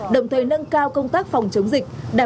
đồng thời nâng cao công tác phòng chống dịch